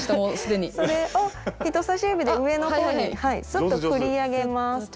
それを人さし指で上の方にすっと取り上げます。